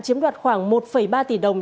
chiếm đoạt khoảng một ba tỷ đồng